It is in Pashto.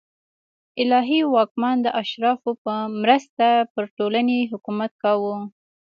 الهي واکمن د اشرافو په مرسته پر ټولنې حکومت کاوه